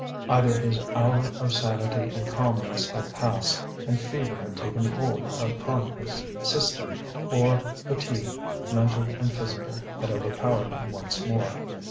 Either his hour of sanity and calmness had passed, and fever had taken hold upon his system; or fatigue, mental and physical, had overpowered him once more.